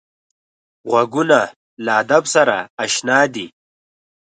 غوږونه له ادب سره اشنا دي